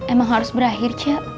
emang harus berakhir ce